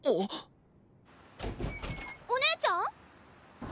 お姉ちゃん？